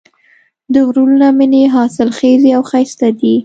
د غرونو لمنې حاصلخیزې او ښایسته دي.